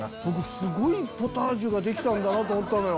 すごいポタージュができたんだな！と思ったのよ。